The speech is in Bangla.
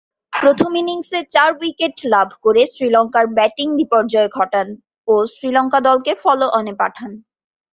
প্রথম ইনিংসে চার উইকেট লাভ করে শ্রীলঙ্কার ব্যাটিং বিপর্যয় ঘটান ও শ্রীলঙ্কা দলকে ফলো-অনে পাঠান।